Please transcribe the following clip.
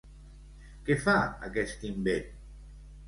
Què fa aquest invent?